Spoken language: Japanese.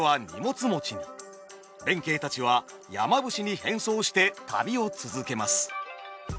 弁慶たちは山伏に変装して旅を続けます。